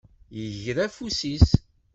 Yegra afus-is.